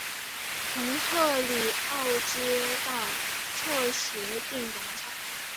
从赫里欧街到策肋定广场。